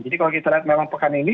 jadi kalau kita lihat memang pekan ini